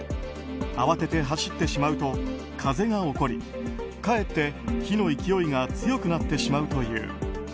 慌てて走ってしまうと風が起こりかえって火の勢いが強くなってしまうという。